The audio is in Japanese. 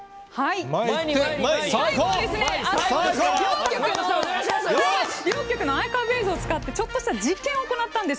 最後は両局のアーカイブ映像を使ってちょっとした映像を行ったんです。